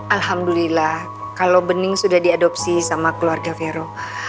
alhamdulillah kalau bening sudah diadopsi sama keluarga vero